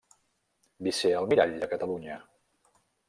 Vicealmirall de Catalunya.